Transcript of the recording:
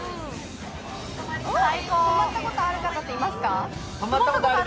泊まったことある方いますか？